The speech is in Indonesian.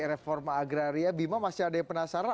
reforma agraria bima masih ada yang penasaran